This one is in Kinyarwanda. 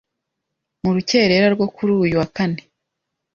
mu rukerera rwo kuri uyu wa Kane.